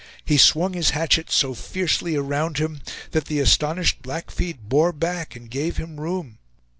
He swung his hatchet so fiercely around him that the astonished Blackfeet bore back and gave him room.